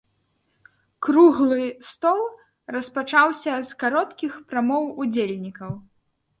Круглы стол распачаўся з кароткіх прамоў удзельнікаў.